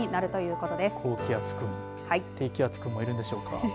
高気圧くん、低気圧くんもいるんでしょうか。